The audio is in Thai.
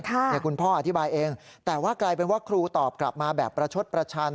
คุณพ่ออธิบายเองแต่ว่ากลายเป็นว่าครูตอบกลับมาแบบประชดประชัน